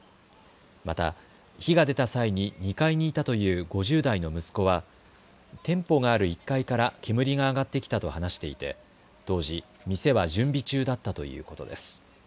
また火が出た際に２階にいたという５０代の息子は店舗がある１階から煙が上がってきたと話していて当時、店は準備中だったということです。